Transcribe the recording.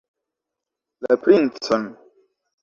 La princon!